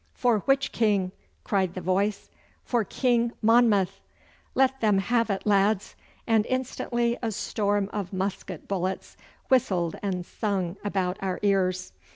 'For which King?' cried the voice. 'For King Monmouth!' 'Let them have it, lads!' and instantly a storm of musket bullets whistled and sung about our ears.